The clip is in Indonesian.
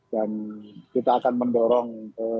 dan kita akan mendorong